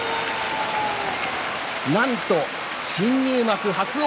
なんと新入幕伯桜